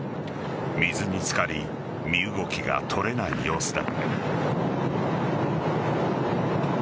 水につかり身動きが取れない様子だ。